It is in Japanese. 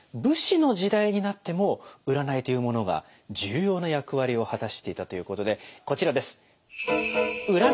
武士の時代になっても占いというものが重要な役割を果たしていたということでこちらです。